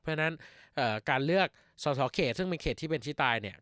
เพราะฉะนั้นการเลือกสอสอเขตซึ่งเป็นเขตที่เป็นที่ตายเนี่ย